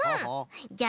じゃあね